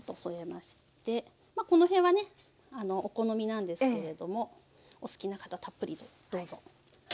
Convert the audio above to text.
まあこの辺はねお好みなんですけれどもお好きな方たっぷりとどうぞ。